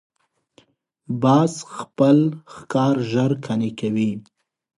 باز خپل ښکار ژر قانع کوي